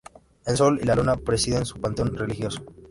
El sol y la luna presiden su panteón religioso.